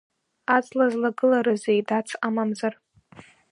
Аҵла злагыларызеи, даи амамзар?